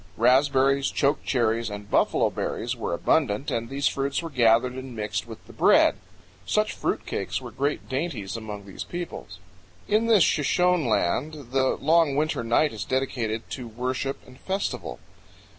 Raspberries, chokecherries, and buffalo berries are abundant, and these fruits were gathered and mixed with the bread. Such fruit cakes were great dainties among these people. In this Shoshone land the long winter night is dedicated to worship and festival.